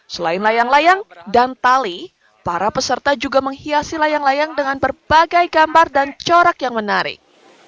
selain layang layang dan tali para peserta juga menghiasi layang layang dengan berbagai gambar dan corak yang menarik